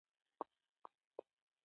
څنګه د ګارد د مشر نظر جلب کړم.